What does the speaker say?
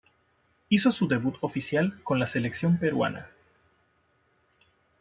Hizo su debut oficial con la selección peruana.